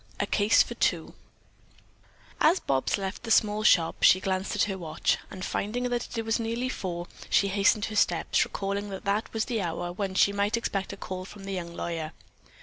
A CASE FOR TWO As Bobs left the small shop, she glanced at her watch, and finding that it was nearly four, she hastened her steps, recalling that that was the hour when she might expect a call from the young lawyer.